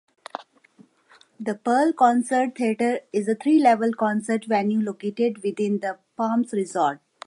The Pearl Concert Theater is a three-level concert venue located within the Palms Resort.